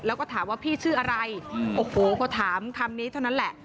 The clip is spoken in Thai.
แล้วก็ถามว่าพี่ชื่ออะไรโอ้โหพอถามคำนี้เท่านั้นแหละ